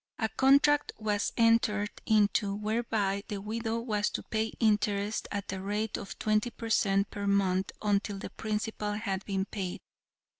A contract was entered into, whereby the widow was to pay interest at the rate of twenty per cent per month until the principal had been paid.